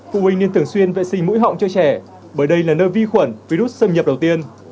phụ huynh nên thường xuyên vệ sinh mũi họng cho trẻ bởi đây là nơi vi khuẩn virus xâm nhập đầu tiên